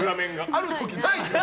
ある時ないから！